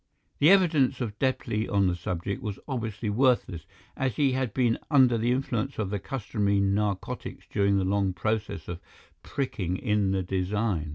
The evidence of Deplis on the subject was obviously worthless, as he had been under the influence of the customary narcotics during the long process of pricking in the design.